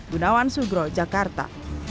gunawan sugro jakarta